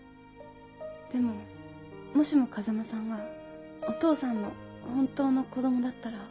でももしも風間さんがお父さんの本当の子供だったら。